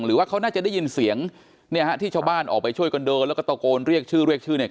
หรือว่าเขาน่าจะได้ยินเสียงเนี่ยฮะที่ชาวบ้านออกไปช่วยกันเดินแล้วก็ตะโกนเรียกชื่อเรียกชื่อเนี่ย